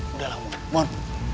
udah lah mon mon